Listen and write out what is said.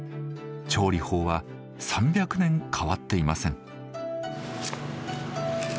調理法は３００年変わっていません。